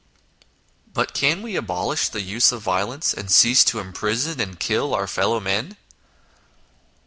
But can we abolish the use of violence, and cease to imprison and kill our fellow men